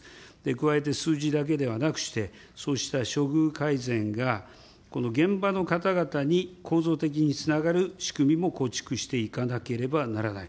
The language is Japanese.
加えて数字だけではなくして、そうした処遇改善が、現場の方々に構造的につながる仕組みも構築していかなければならない。